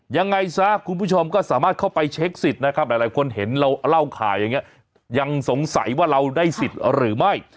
ยังไงซะคุณผู้ชมก็สามารถเข้าไปเช็คสิทธิ์นะครับหลายคนเห็นเราเล่าข่าวอย่างนี้ยังสงสัยว่าเราได้สิทธิ์หรือไม่